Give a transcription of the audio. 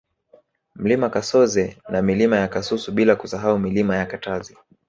Mlima Kasoze na Milima ya Kasusu bila kusahau Milima ya Katazi